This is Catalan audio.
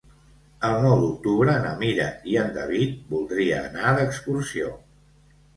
El nou d'octubre na Mira i en David voldria anar d'excursió.